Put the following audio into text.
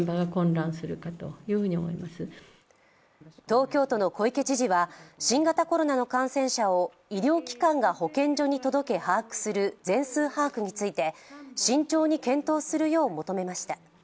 東京都の小池知事は新型コロナの感染者を医療機関が保健所に届け把握する全数把握について慎重に検討するよう求めました。